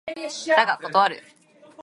だが断る